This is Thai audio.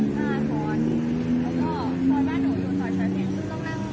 แล้วเขาบอกว่าที่เขามาทำเราก็ซื้ง